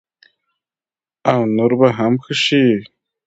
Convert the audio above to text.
او نور به هم ښه شي.